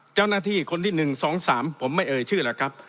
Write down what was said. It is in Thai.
เจ้าหน้าที่คนที่หนึ่งสองสามผมไม่เอ่ยชื่อล่ะครับ